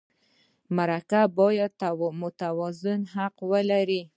مرکه باید متوازن حق ولري.